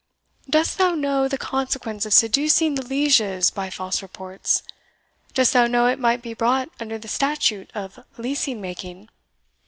Dost thou know the consequence of seducing the lieges by false reports? dost thou know it might be brought under the statute of leasing making?